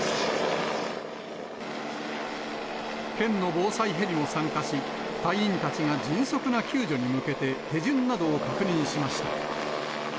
県の防災ヘリも参加し、隊員たちが迅速な救助に向けて、手順などを確認しました。